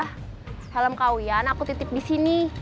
helom kawian aku titip disini